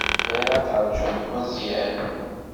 Bɣiɣ ad teṛjumt Meẓyan.